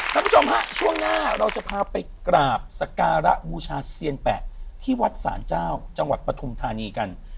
คุณผู้ชมฮะช่วงหน้าเราจะพาไปกราบสการะบูชาเซียนแปะที่วัดศาลเจ้าจังหวัดปฐุมธานีกัน